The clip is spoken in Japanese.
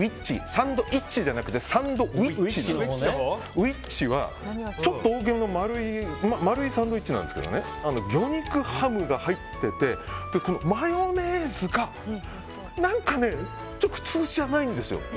サンドイッチじゃなくてサンドウィッチはちょっと大きめの丸いサンドウィッチなんですけど魚肉ハムが入っててマヨネーズが何か普通じゃないんですよ。